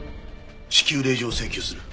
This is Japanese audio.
至急令状を請求する。